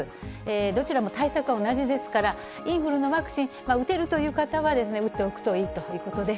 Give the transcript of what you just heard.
どちらも対策は同じですから、インフルのワクチン打てるという方は、打っておくといいということです。